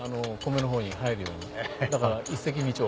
だから一石二鳥。